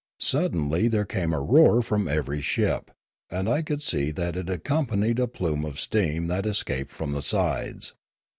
Suddenly there came a roar from every ship; and I could see that it accompanied a plume of steam that escaped from the sides.